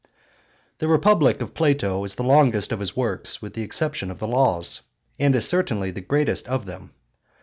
The Republic of Plato is the longest of his works with the exception of the Laws, and is certainly the greatest of them.